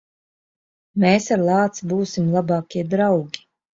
Mēs ar lāci būsim labākie draugi.